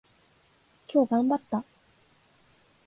今日頑張った。